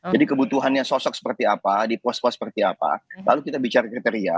kebutuhannya sosok seperti apa di pos pos seperti apa lalu kita bicara kriteria